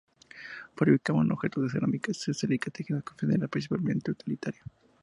Fabricaban objetos de cerámica, cestería y tejidos con finalidad principalmente utilitaria.